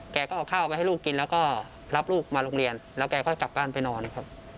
แกก็เอาข้าวไปให้ลูกกินแล้วก็รับลูกมาโรงเรียนแล้วแกก็กลับบ้านไปนอนครับ